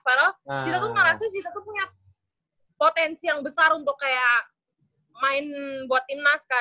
padahal sita tuh ngerasa sita tuh punya potensi yang besar untuk kayak main buat tinas kak